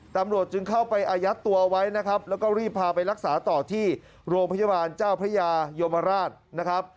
ตำรวจจึงเข้าไปอายัดตัวไว้นะครับแล้วก็รีบพาไปรักษาต่อที่โรงพยาบาลเจ้าพระยายมราชนะครับ